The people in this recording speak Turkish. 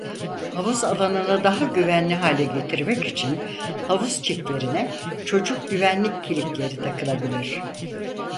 Havuz alanını daha güvenli hale getirmek için havuz çitlerine çocuk güvenlik kilitleri takılabilir.